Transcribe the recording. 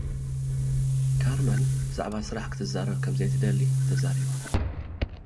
ካርመን ብዛዕባ ስራሕ ክትዛረብ ከም ዘይትደሊ ተዛሪባ።